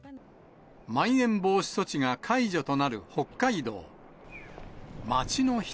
まん延防止措置が解除となる北海道。